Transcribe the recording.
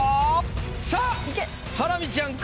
さあハラミちゃんか？